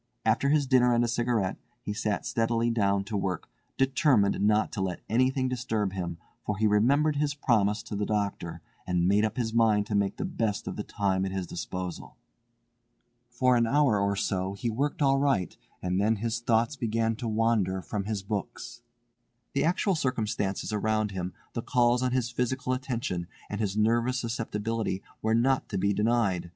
After his dinner and a cigarette he sat steadily down to work, determined not to let anything disturb him, for he remembered his promise to the doctor, and made up his mind to make the best of the time at his disposal. For an hour or so he worked all right, and then his thoughts began to wander from his books. The actual circumstances around him, the calls on his physical attention, and his nervous susceptibility were not to be denied.